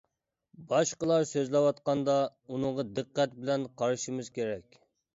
باشقىلار سۆزلەۋاتقاندا، ئۇنىڭغا دىققەت بىلەن قارىشىمىز كېرەك.